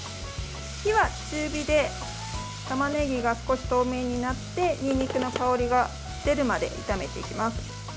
火は中火でたまねぎが少し透明になってにんにくの香りが出るまで炒めていきます。